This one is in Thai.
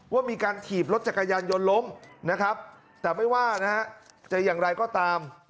ว่ามีการขีบรถจักรยานยนต์ล้มแต่ไม่ว่าจะอย่างไรก็ตาม